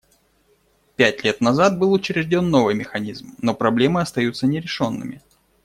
Пять лет назад был учрежден новый механизм, но проблемы остаются нерешенными.